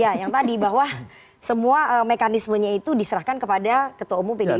ya yang tadi bahwa semua mekanismenya itu diserahkan kepada ketua umum pdip